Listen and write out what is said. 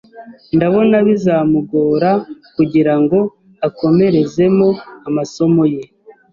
Ndabonabizamugora gugirango akomerezemo amasomo ye